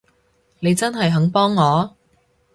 你真係肯幫我？